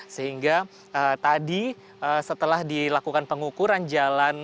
sehingga tadi setelah dilakukan pengukuran jalan